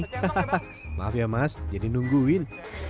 hahaha maaf ya mas jadi nungguin